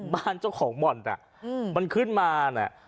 บ้านเจ้าของบ่อนมันขึ้นมาน่ะ